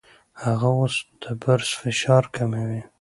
هغه اوس د برس فشار کموي.